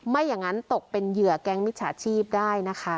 ไม่อย่างนั้นตกเป็นเหยื่อแก๊งมิจฉาชีพได้นะคะ